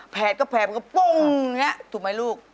แผ่นก็แผ่นถูกไหมลูก